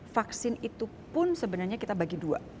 vaksin itu pun sebenarnya kita bagi dua